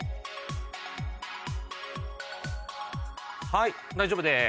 はい大丈夫です。